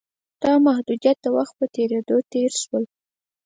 دا محدودیتونه د وخت په تېرېدو ډېر شول